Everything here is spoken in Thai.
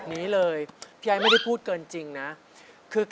ฝึกให้ได้หลายรูปแบบเลยลูก